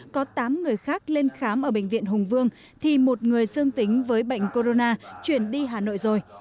có tám người khác lên khám ở bệnh viện hùng vương thì một người dương tính với bệnh corona chuyển đi hà nội rồi